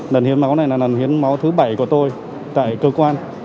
lần hiến máu này là lần hiến máu thứ bảy của tôi tại cơ quan